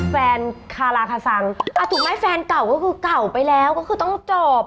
คาราคาซังอ่ะถูกไหมแฟนเก่าก็คือเก่าไปแล้วก็คือต้องจบ